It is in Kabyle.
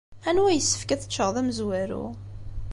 Anwa ay yessefk ad t-ččeɣ d amezwaru?